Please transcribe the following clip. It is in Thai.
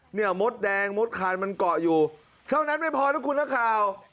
เนี่ยมดแดงมดคานมันเกาะอยู่เท่านั้นไม่พอนะคุณนักข่าว